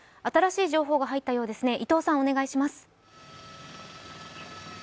新しい情報が入ったようですね。